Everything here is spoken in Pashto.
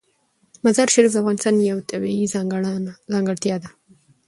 مزارشریف د افغانستان یوه طبیعي ځانګړتیا ده.